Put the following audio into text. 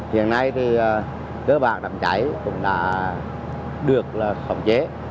hiện nay thì cơ bản đám cháy cũng đã được khống chế